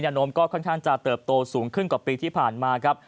โน้มก็ค่อนข้างจะเติบโตสูงขึ้นกว่าปีที่ผ่านมาครับ